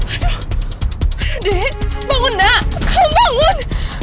aduh ade bangun nak kamu bangun